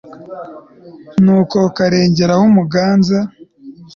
ni uko karengera w'umuganza